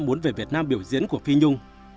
muốn về việt nam biểu diễn của phi nhung